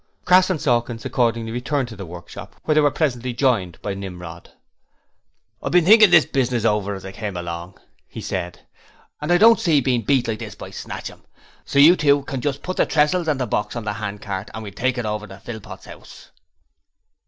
Crass and Sawkins accordingly returned to the workshop, where they were presently joined by Nimrod. 'I've been thinking this business over as I came along,' he said, 'and I don't see being beat like this by Snatchum; so you two can just put the tressels and the box on a hand cart and we'll take it over to Philpot's house.'